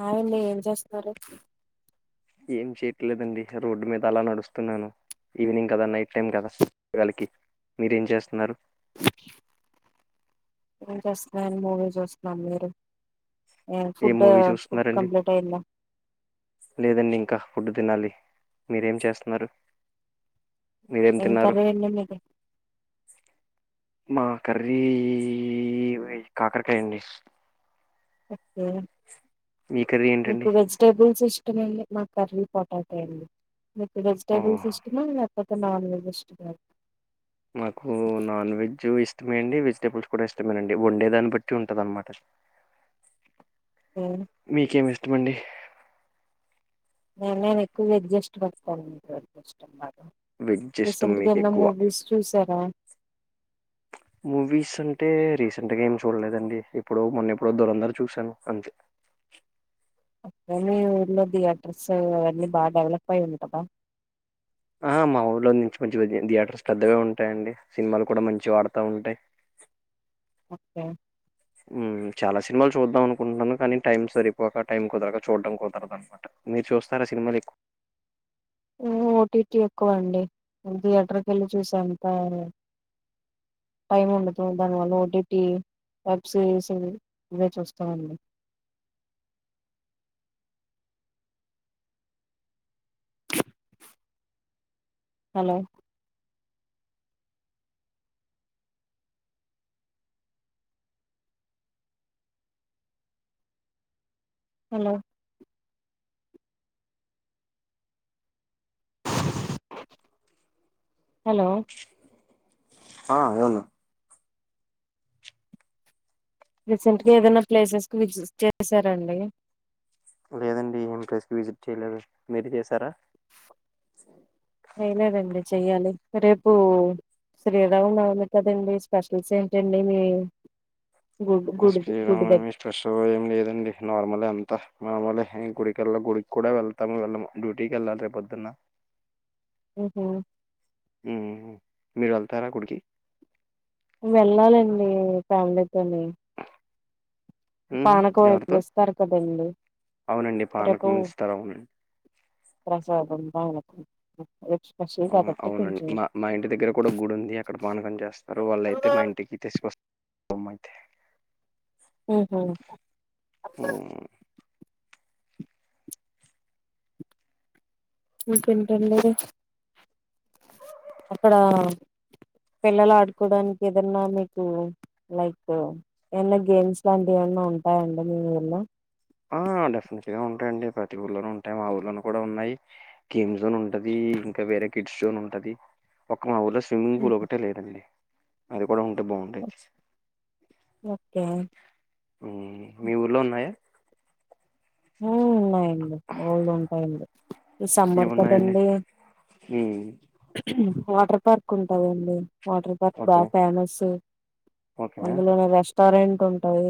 Hi అండి ఎంచేస్తున్నారు ఏం చేయట్లేదండి రోడ్డు మీద అలా నడుస్తున్నాను, ఈవినింగ్ కదా నైట్ టైం కదా లికి మీరేం చేస్తున్నారు ఏం చేస్తున్నా అండి మూవీ చూస్తున్నాం మీరు ఏం ఫుడ్ మూవీ ఫుడ్ చూస్తున్నారండి కంప్లీట్ అయిందా లేదండి ఇంకా ఫుడ్ తినాలి మీరేం చేస్తున్నారు మీరేం ఏం తిన్నారు కర్రీ అండి మీది మా కర్రీ కాకరకాయ అండి ఓకే మీ కర్రీ ఏంటండి మీకు వెజిటబుల్స్ ఇష్ [unintelligible] మా కర్రీ పొటాటో అండి మీకు ఓ వెజిటేబుల్స్ ఇష్టమా లేక నాన్ వెజ్ ఇష్టమా నాకు నాన్ వెెజ్ ఇస్ ఇష్టమేండి వెజిటేబుల్స్ కూడా ఇష్టమేనండి వండే దాన్ని బట్టి ఉంటాది అన్నమాట ఏ- మీకేమి ఇష్టమండి నేను నేను ఎక్కువ వేజ్ ఇష్టపడతాను వెజ్ ఇష్టం రీసెంట్గా మీకు ఏమన్నా ఎక్కువ మూవీస్ చూసారా మూవీస్ అంటే రీసెంట్గా ఏం చూడలేదండి ఇప్పుడు మొన్న ఎప్పుడో దూరంధర్ చూశాను అంతే అట్లానె ఊళ్లోటివ సో అవన్నీ బాగా డెవలప్ అయింది కదా ఆ మా ఊర్లో నుంచి కొంచెం థియేటర్స్ పెద్దగా ఉంటాయండి సినిమాలు కూడా మంచివి ఆడతా ఉంటాయి ఓకే ఊ చాలా సినిమాలు చూద్దాం అనుకుంటున్నాను టైమ్ సరిపోక టైం కుదరక చూడడం కుదరదు అన్నమాట మీరు చూస్తార సినిమాలు ఎక్కువ ఓటీటీ ఎక్కువ అండి థియేటర్కి వెళ్ళి చూసే అంత టైం ఉండదు దానివల్ల ఓటీటి వెబ్ సిరీస్ ఇవే చూస్తామండి. హలో హలో హలో ఆ యవును రీసెంట్‌గా ఏదన్నా ప్లేసెస్‌కి విజిట్ చేశారా అండి? లేదండి, ఏం ప్లేసెస్‌కి విజిట్ చేయలేదు. మీరు చేశారా? ట్రైలర్ అండి. చేయాలి రేపు శ్రీరామ నవమి కదా అండి. స్పెషల్స్ ఏంట అండి మీవి? శ్రీరామ నవమి స్పెషల్ ఏమి లేదండి, నార్మల్‌ ఏ అంతా. మమెలే గుడికి ఎల్ల గుడికి కూడా వెళ్తామో, వెళ్ళమో? డ్యూటీకి వెళ్ళాలి రేపు పొద్దునా. ఉహ్మ్ మీరు వెళ్తారా? గుడికి వెళ్లాలండి ఫ్యామిలీతోని హ్మ్ పానకం ఎవరితో వేస్తారు కదండి అవునండీ రేపు పానకం ఇస్తారు ఆ ఉర్లొ ప్రసాదం అవును అవును అవునండి మ మా ఇంటి దగ్గర కూడా గుడి ఉంది అక్కడ పానకం చేస్తారు వాళ్ళ అయితే మా ఇంటికి తెసుకొస్తా... బొమ్మ తే వుహూ హ్మ్. మీరు తింటం లేద అక్కడ పిల్లలు ఆడుకోడానికి ఏదన్నా మీకు లైక్ ఎమన్నాగేమ్స్ లాంటివి ఏమన్నా ఉంటాయండి మీ ఊర్లో ఆ డెఫినెట్‌గా ఉంటాయిండి. ప్రతి ఊర్లోనూ ఉంటాయి. మా ఊర్లో కూడా ఉన్నాయి. గేమ్ జోన్ ఉంటది, ఇంకా వేరే కిడ్స్ షో ఉంటది. ఒక మా ఊరిలో స్విమ్మింగ్ పూల్ ఒకటే లేదండి అరుపూ పొడవు ఉంటే బాగుంటాయి. ఓకే మీ ఊర్లో ఉన్నాయా మ్మ్ నేన్ బోల్డ్ ఉంటాయండి సమ్మర్ ఏమున్నాయండి కదండి మ్మ్ వాటర్ పార్క్ ఉంటదండి వాటర్ పార్క్ బా ఓకే ఫేమసు ఓకే అందులోనే రెష్ టరెంట్ ఉంటది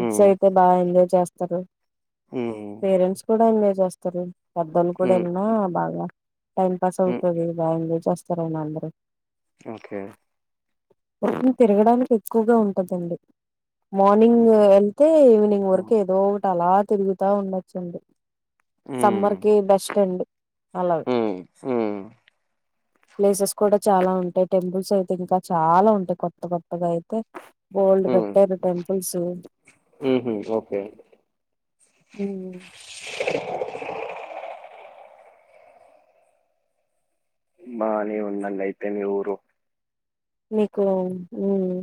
మ్మ్ అయితే బాగా ఎంజాయ్ చేస్త సరే మ్మ్ పేరెంట్స్ కూడా ఉండొ జూస్తారు పెద్దోళ్లు కూడా మ్మ్ ఇళ్లను బాగా... టైంపాస్ మ్మ్ అవుతది బాగా ఎంజాయ్ చేస్త సరే నా అండి ఒకే మొత్తం తిరగడానికే ఎక్కువగా ఉంటదండి మార్నింగ్ వెళ్తే ఈవినింగు మ్మ్ వరకు ఏదో తలాద్ తిరుగుతా ఉండొచ్చండి మ్మ్ సమ్మర్ కి బెస్ట్ ఫ్రెండ్ హలో మ్మ్ మ్మ్ ప్లేసెస్ కూడా చాలా ఉంటాయ్. టెంపుల్స్ అయితే ఇంకా చాలా ఉంటాయ్ కొత్త కొత్తగా అయితే బోల్డ్ కట్టారు టెంపుల్సు మ్మ్ మ్మ్ ఓకే బానే ఉందండి అయితే మీ ఊరు మీకూ మ్మ్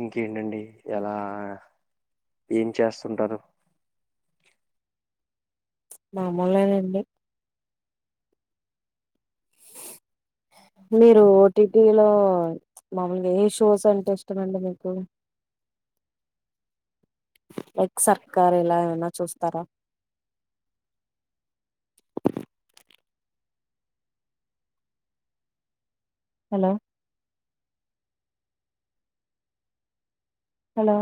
ఇంకేంటండి ఎలా ఏం చేస్తుంటారు మామూలేనండీ మీరు ఓటిటీ లో మాములుగా ఏ షోస్ అంటే ఇష్టమండి మీకు ఎగ్ సర్కార్ ఎలాగైనా చూస్తారా హలో హలో